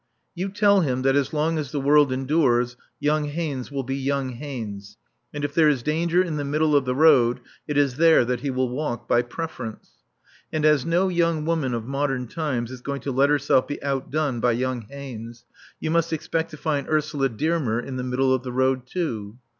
You tell him that as long as the world endures young Haynes will be young Haynes, and if there is danger in the middle of the road, it is there that he will walk by preference. And as no young woman of modern times is going to let herself be outdone by young Haynes, you must expect to find Ursula Dearmer in the middle of the road too.